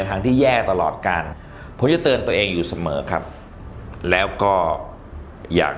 ทั้งที่แย่ตลอดการผมจะเตือนตัวเองอยู่เสมอครับแล้วก็อยาก